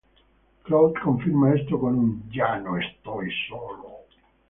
Cloud confirma esto con un "ya no estoy solo".